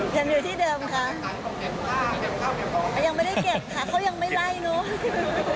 ยังไม่ได้เก็บค่ะเขายังไม่ไล่